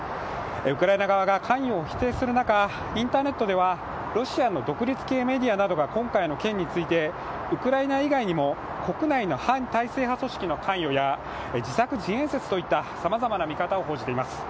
ウクライナ側が関与を否定する中、インターネットではロシアの独立系メディアなどが今回の件についてウクライナ以外にも国内の反体制派組織の関与や自作自演説といったさまざまな見方を報じています。